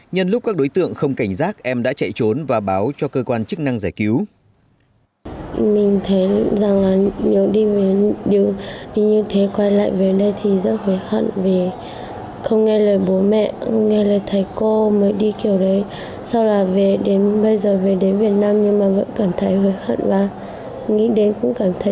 nhân lúc các đối tượng không cảnh giác em đã chạy trốn và báo cho cơ quan chức năng giải cứu